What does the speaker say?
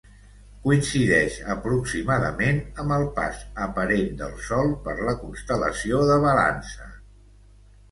Coincideix aproximadament amb el pas aparent del Sol per la constel·lació de Balança.